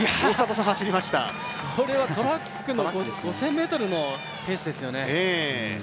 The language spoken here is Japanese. それはトラックの５０００ｍのペースですよね。